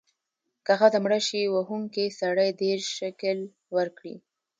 که ښځه مړه شي، وهونکی سړی دیرش شِکِل ورکړي.